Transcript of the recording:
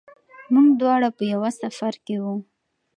موږ دواړه په یوه سفر کې وو.